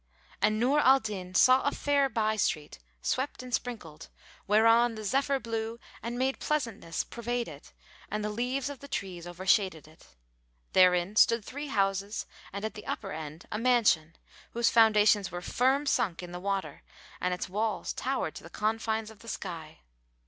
And Nur al Din saw a fair bystreet, swept and sprinkled, whereon the zephyr blew and made pleasantness pervade it and the leaves of the trees overshaded it. Therein stood three houses and at the upper end a mansion, whose foundations were firm sunk in the water and its walls towered to the confines of the sky.